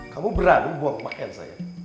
kamu berani buang makan saya